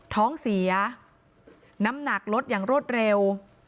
ท้องเสียน้ำหนักลดอย่างรวดเร็ว